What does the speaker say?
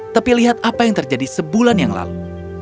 tapi lihat apa yang terjadi sebulan yang lalu